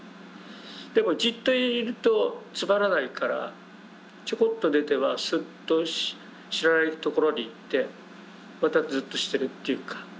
でもじっといるとつまらないからちょこっと出てはスッと知らない所に行ってまたズッとしてるというか。